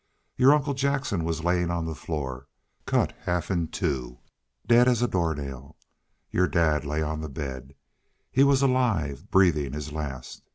Your uncle Jackson was layin' on the floor cut half in two daid as a door nail.... Your dad lay on the bed. He was alive, breathin' his last....